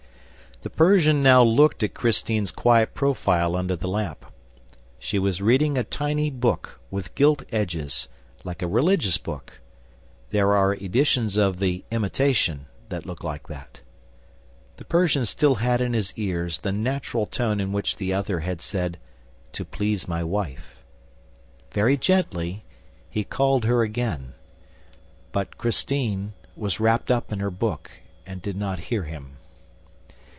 The Persian now looked at Christine's quiet profile under the lamp. She was reading a tiny book, with gilt edges, like a religious book. There are editions of THE IMITATION that look like that. The Persian still had in his ears the natural tone in which the other had said, "to please my wife." Very gently, he called her again; but Christine was wrapped up in her book and did not hear him.